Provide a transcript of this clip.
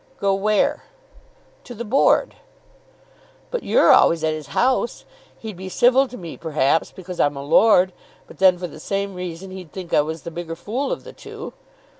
"Go where?" "To the Board." "But you're always at his house. He'd be civil to me, perhaps, because I'm a lord: but then, for the same reason, he'd think I was the bigger fool of the two."